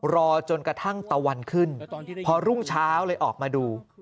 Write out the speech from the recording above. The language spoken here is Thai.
รอจนกระทั่งตะวันขึ้นพอรุ่งเช้าเลยออกมาดู